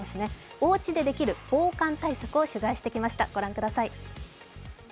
おうちでできる防寒対策を取材してきました、ご覧ください。